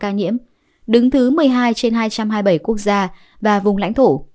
ba trăm hai mươi tám ca nhiễm đứng thứ một mươi hai trên hai trăm hai mươi bảy quốc gia và vùng lãnh thổ